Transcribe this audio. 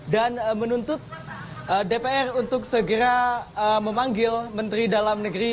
dan menuntut dpr untuk segera memanggil menteri dalam negeri